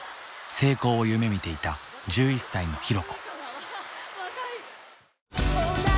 成功を夢みていた１１歳の寛子。